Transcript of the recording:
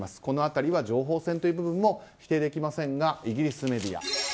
この辺りは情報戦という部分も否定できませんがイギリスメディア。